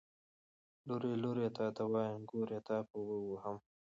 ـ لورې لورې تاته ويم، نګورې تاپه غوږ وهم.